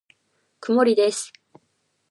曇りです。